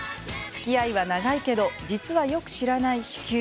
つきあいは長いけど実は、よく知らない子宮。